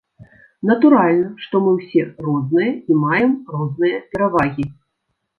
Натуральна, што мы ўсе розныя і маем розныя перавагі.